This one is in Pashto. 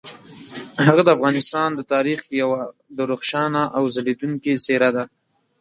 هغه د افغانستان د تاریخ یوه درخشانه او ځلیدونکي څیره ده.